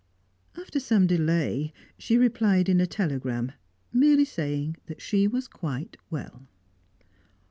After some delay, she replied in a telegram, merely saying that she was quite well.